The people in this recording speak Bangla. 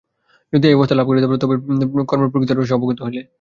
যদি এই অবস্থা লাভ করিতে পার, তবেই কর্মের প্রকৃত রহস্য অবগত হইলে।